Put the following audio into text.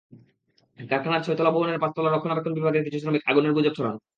কারখানার ছয়তলা ভবনের পাঁচতলার রক্ষণাবেক্ষণ বিভাগের কিছু শ্রমিক আগুনের গুজব ছড়ান।